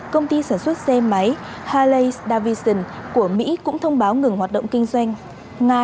công ty sản xuất xe máy harley davidson của mỹ cũng thông báo ngừng hoạt động kinh doanh nga